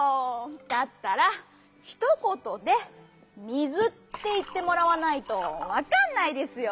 だったらひとことで「水」っていってもらわないとわかんないですよ！